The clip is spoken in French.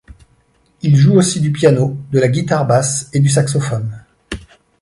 Il joue aussi du piano, de la guitare basse et du saxophone.